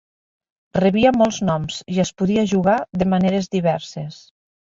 Rebia molts noms i es podia jugar de maneres diverses.